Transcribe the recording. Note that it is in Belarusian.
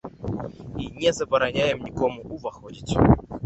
І не забараняем нікому ўваходзіць.